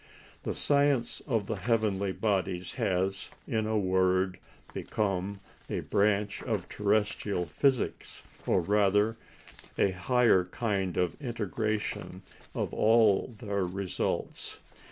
The science of the heavenly bodies has, in a word, become a branch of terrestrial physics, or rather a higher kind of integration of all their results.